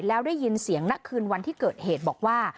แล้วได้ยินเสียงณคืนวันที่เกิดเหตุบอกว่า